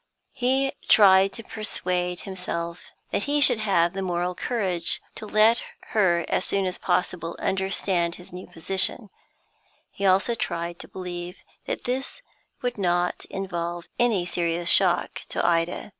He tried to persuade himself that he should have the moral courage to let her as soon as possible understand his new position; he also tried to believe that this would not involve any serious shock to Ida.